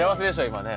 今ね。